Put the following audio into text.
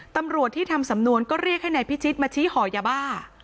ตำรวจที่ทำสำนวนก็เรียกให้นายพิชิตมาชี้ห่อยาบ้า